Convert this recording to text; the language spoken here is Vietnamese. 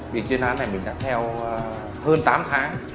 vì chuyên án này mình đã theo hơn tám tháng